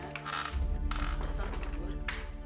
udah sholat syukur